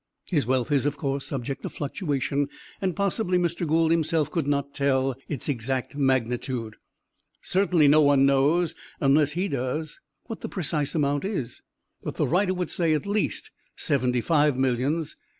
His wealth is, of course, subject to fluctuation, and possibly Mr. Gould himself could not tell its exact magnitude; certainly no one knows, unless he does, what the precise amount is; but the writer would say at least seventy five millions.